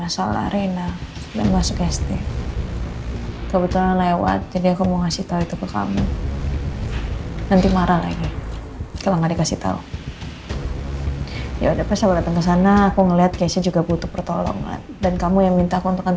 sampai jumpa di video selanjutnya